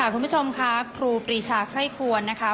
คุณผู้ชมค่ะครูปรีชาไคร่ควรนะคะ